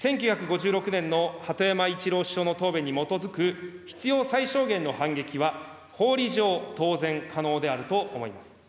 １９５６年の鳩山一郎首相の答弁に基づく必要最小限の反撃は、法理上、当然可能であると考えます。